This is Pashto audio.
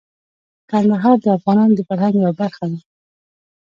کندهار د افغانانو د فرهنګ یوه برخه ده.